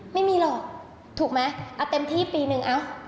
ไม่มีหรอกถูกไหมเอาเต็มที่ปีนึงเอ้า